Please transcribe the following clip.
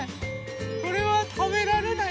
これはたべられない？